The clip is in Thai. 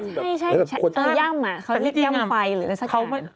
ย่ำอะเขาย่ำไฟหรืออะไรสักอย่าง